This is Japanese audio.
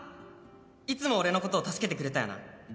いつも俺のこと助けてくれたよな」